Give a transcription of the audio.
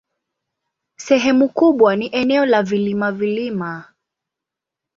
Sehemu kubwa ni eneo la vilima-vilima.